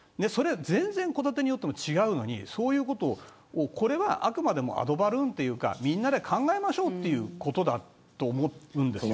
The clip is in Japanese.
全然、戸建てによっても違うのにこれはあくまでもアドバルーンというかみんなで考えましょうということだと思うんです。